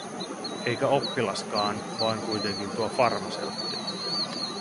Eikä oppilaskaan, vaan kuitenkin tuo farmaseutti.